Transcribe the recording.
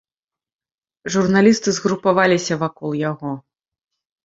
Журналісты згрупаваліся вакол яго.